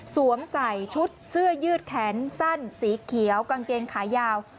สวมใส่ชุดเสื้อยืดแขนสั้นสีเขียวกางเกงขายาว